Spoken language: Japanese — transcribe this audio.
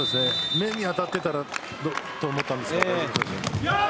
目に当たっていたらと思ったんですが。